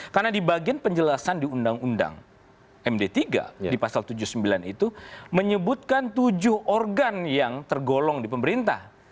karena di bagian penjelasan di undang undang md tiga di pasal tujuh puluh sembilan itu menyebutkan tujuh organ yang tergolong di pemerintah